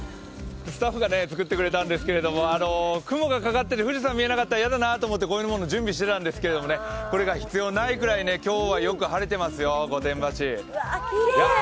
スタッフが作ってくれたんですけれども、雲がかかってて富士山見えなかったら嫌だなと思って準備したんですけどね、これが必要ないぐらいね、今日はよく晴れていますよ、御殿場市。